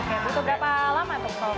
oke butuh berapa lama tuk tom